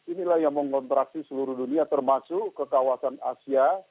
inilah yang mengontraksi seluruh dunia termasuk ke kawasan asia